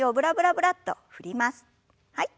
はい。